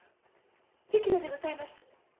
雪乃でございます。